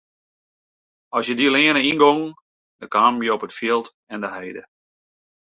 As je dy leane yngongen dan kamen je op it fjild en de heide.